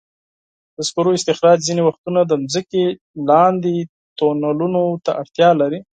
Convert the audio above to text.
د سکرو استخراج ځینې وختونه د ځمکې لاندې تونلونو ته اړتیا لري.